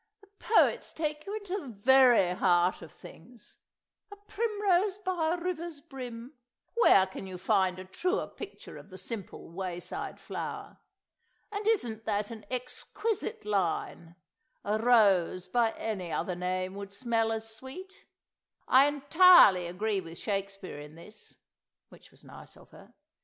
"The poets take you into the very heart of things. 'A primrose by a river's brim'; where can you find a truer picture of the simple wayside flower? And isn't that an exquisite line, 'A rose by any other name would smell as sweet'? I entirely agree with Shakespeare in this" (which was nice of her!)